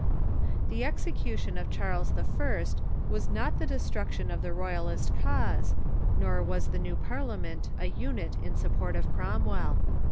The execution of Charles I. was not the destruction of the Royalist cause, nor was the new Parliament a unit in sup port of Cromwell.